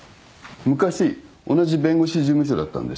昔同じ弁護士事務所だったんです。